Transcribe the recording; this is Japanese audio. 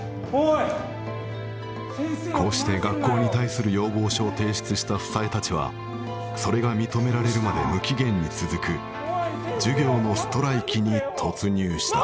こうして学校に対する要望書を提出した房枝たちはそれが認められるまで無期限に続く授業のストライキに突入した。